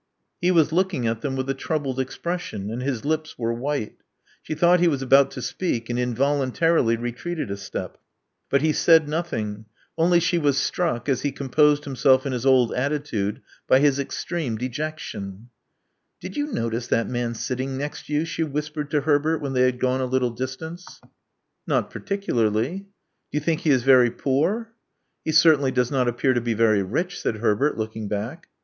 He was looking at them with a troubled, expression; and, his lips were white. She thought he was about to speak, and invol untarily retreated a step. But he said nothing: only she was struck, as he composed himself in his old attitude, by his extreme dejection. Did you notice that man sitting next you?" she whispered to Herbert, when they had gone a little distance. lo Love Among the Artists Not particularly." *^o you think he is very poor?" He certainly does not appear to be very rich," said Herbert, looking back.